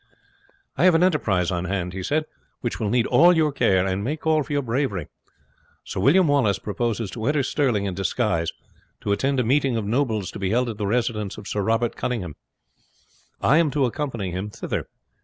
"I have an enterprise on hand," he said, "which will need all your care, and may call for your bravery. Sir William Wallace purposes to enter Stirling in disguise, to attend a meeting of nobles to be held at the residence of Sir Robert Cunninghame. I am to accompany him thither.